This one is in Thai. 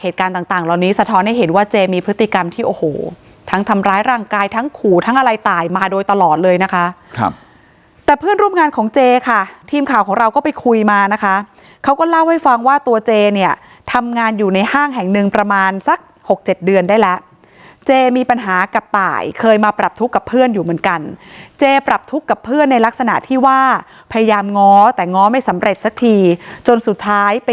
ทั้งทำร้ายร่างกายทั้งขู่ทั้งอะไรตายมาโดยตลอดเลยนะคะแต่เพื่อนรูปงานของเจค่ะทีมข่าวของเราก็ไปคุยมานะคะเขาก็เล่าให้ฟังว่าตัวเจเนี่ยทำงานอยู่ในห้างแห่งหนึ่งประมาณสัก๖๗เดือนได้แล้วเจมีปัญหากับตายเคยมาปรับทุกข์กับเพื่อนอยู่เหมือนกันเจปรับทุกข์กับเพื่อนในลักษณะที่ว่าพยายามง้อแต่ง้อไม่สำเร็จสั